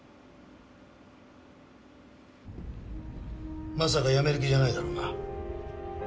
まさか辞める気じゃないだろうな？